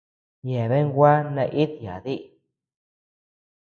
Yeabean gua naídii yádii.